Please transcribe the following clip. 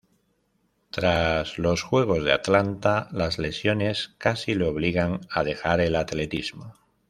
Tras los Juegos de Atlanta las lesiones casi le obligan a dejar el atletismo.